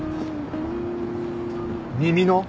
耳の？